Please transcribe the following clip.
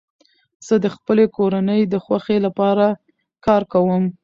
زه د خپلي کورنۍ د خوښۍ له پاره کار کوم.